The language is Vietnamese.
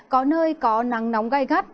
có nơi có nắng nóng gai gắt